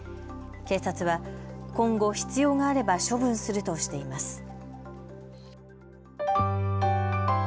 警察は今後、必要があれば処分するとしています。